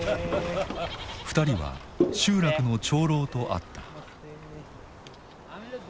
２人は集落の長老と会った。